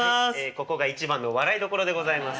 ここが一番の笑いどころでございます。